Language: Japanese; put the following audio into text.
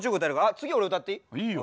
次俺歌っていい？いいよ。